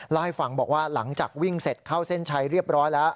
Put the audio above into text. เล่าให้ฟังบอกว่าหลังจากวิ่งเสร็จเข้าเส้นชัยเรียบร้อยแล้ว